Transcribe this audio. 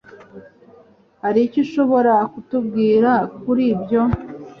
Hari icyo ushobora kutubwira kuri ibyo?